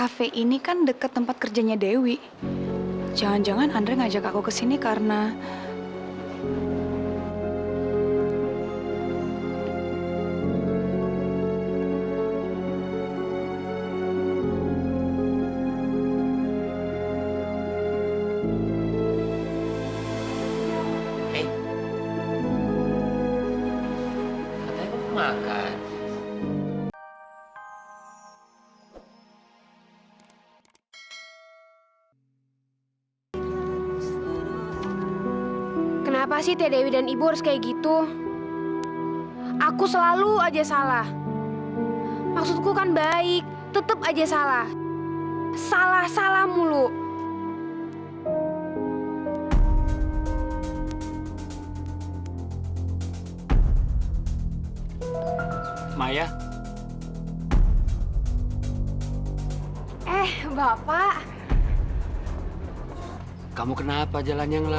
sampai jumpa di video selanjutnya